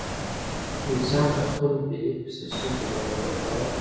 انسان کۀ خپل بيليف سسټم برابرول غواړي